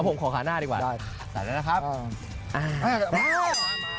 ผมขอขาหน้าดีกว่าได้ค่ะใส่แล้วนะครับ